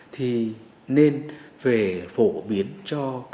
thì nên về phổ biến cho các cơ quan chuyên môn có năng lực